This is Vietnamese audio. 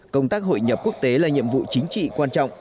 công tác hội nhập quốc tế là nhiệm vụ chính trị quan trọng